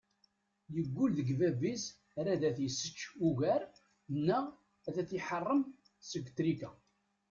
Yeggul deg bab-is ar ad t-issečč ugar neɣ ad t-iḥeṛṛem seg trika.